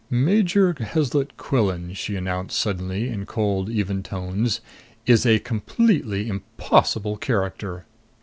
"Major Heslet Quillan," she announced suddenly in cold, even tones, "is a completely impossible character!"